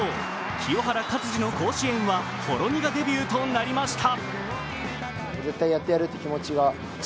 清原勝児の甲子園はほろ苦デビューとなりました。